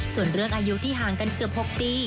ส่วนเรื่องอายุที่ห่างกันเกือบ๖ปี